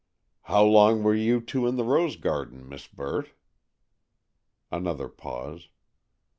"How long were you two in the rose garden, Miss Burt?" Another pause.